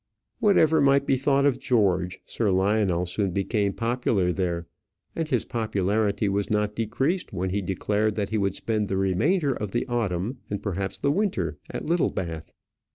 Whatever might be thought of George, Sir Lionel soon became popular there, and his popularity was not decreased when he declared that he would spend the remainder of the autumn, and perhaps the winter, at Littlebath.